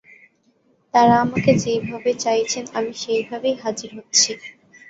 তাঁরা আমাকে যেভাবে চাইছেন, আমি সেভাবেই হাজির হচ্ছি।